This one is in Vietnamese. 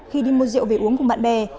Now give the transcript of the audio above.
khi đi mua rượu về uống cùng bạn bè